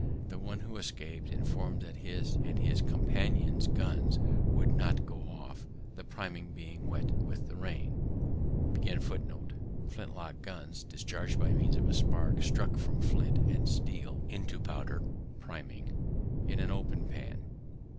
The one who escap'd inform'd that his and his companions' guns would not go off, the priming being wet with the rain. Flint lock guns, discharged by means of a spark struck from flint and steel into powder (priming) in an open pan.